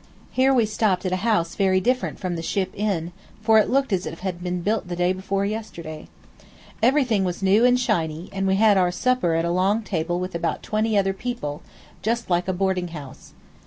Here we stopped at a house very different from the Ship Inn, for it looked as if it had been built the day before yesterday. Everything was new and shiny, and we had our supper at a long table with about twenty other people, just like a boardinghouse.